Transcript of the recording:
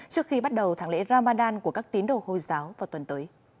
trước khi bắt đầu tháng lễ ramadan của các tín đồ hồi giáo vào tuần tới